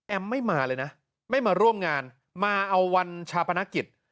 ไม่มาเลยนะไม่มาร่วมงานมาเอาวันชาปนกิจ